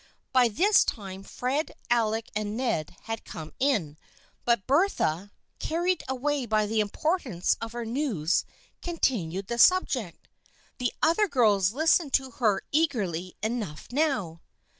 By this time Fred, Alec and Ned had come in, but Bertha, carried away by the importance of her news, continued the subject. The other girls listened to her eagerly enough now.